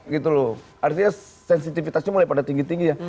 gitu loh artinya sensitivitasnya mulai pada tinggi tinggi ya